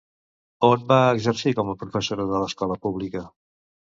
On va exercir com a professora de l'escola pública?